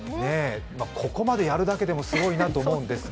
ここまでやるだけでもすごいなと思うんですが、